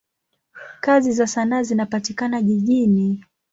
Kazi za sanaa zinapatikana jijini.